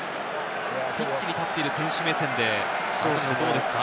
ピッチに立っている選手目線ではどうですか？